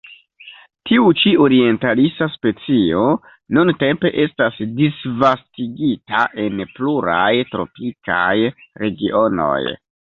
Tiu ĉi orientalisa specio nuntempe estas disvastigita en pluraj tropikaj regionoj.